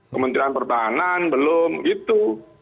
kementerian pertahanan belum gitu